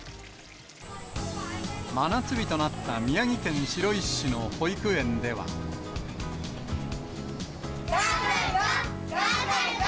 真夏日となった宮城県白石市の保頑張るぞ！